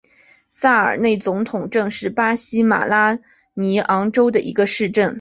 萨尔内总统镇是巴西马拉尼昂州的一个市镇。